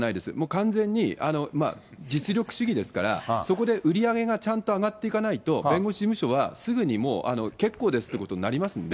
完全に実力主義ですから、そこで売り上げがちゃんと上がっていかないと、弁護士事務所はすぐにもう結構ですということになりますんで。